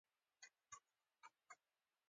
د چا به د خندا له وجې په سترګو کې اوښکې را پيدا شوې.